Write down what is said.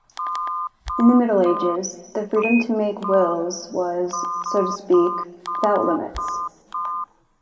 In the Middle Ages, the freedom to make wills was, so to speak, without limits.